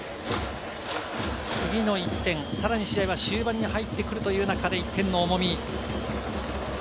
次の１点、さらに試合は終盤に入ってくるという中で、１点の重み。